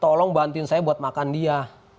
tolong bantuin saya buat makan dia